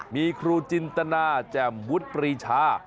มีครูจินตนาแจ่มวุฒิปรีชา